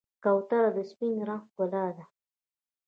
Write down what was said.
کوتره د سپین رنګ ښکلا ده.